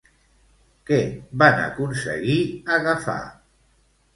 Què van aconseguir agafar?